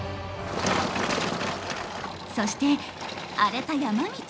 そして荒れた山道。